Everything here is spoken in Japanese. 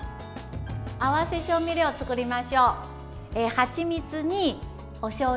合わせ調味料を作りましょう。